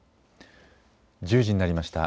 １０時になりました。